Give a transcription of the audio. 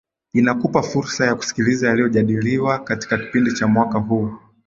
inakupa fursa ya kusikiliza yaliojadiliwa katika kipindi cha mwaka huu